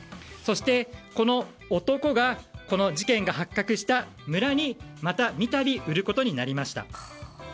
そして、この男がこの事件が発覚した村にまた三度売られることになりました。